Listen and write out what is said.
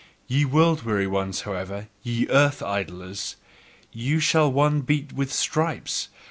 Ye world weary ones, however! Ye earth idlers! You, shall one beat with stripes!